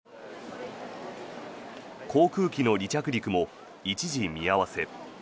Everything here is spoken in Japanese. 航空機の離着陸も一時、見合わせ。